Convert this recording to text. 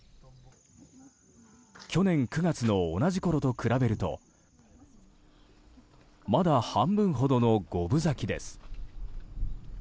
去年９月の同じころと比べるとまだ半分ほどの五分咲きです。